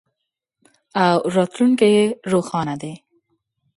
او راتلونکی یې روښانه دی.